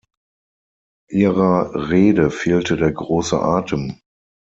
Ihrer Rede fehlte der große Atem.